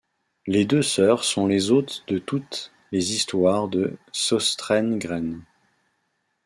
Les deux sœurs sont les hôtes de toutes les histoires de Søstrene Grene.